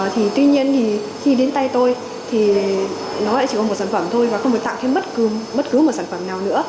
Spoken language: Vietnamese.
thì tuy nhiên thì khi đến tay tôi thì nó lại chỉ có một sản phẩm thôi và không phải tặng thêm bất cứ một sản phẩm